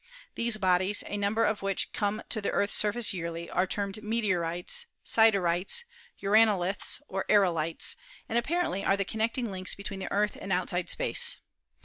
These bodies, a number of which come to the Earth's surface yearly, are termed meteorites, siderites, uranoliths or aerolites, and appar ently are the connecting links between the Earth and out side space.